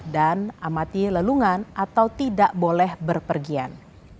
dan amati lelungan atau tidak boleh berpergian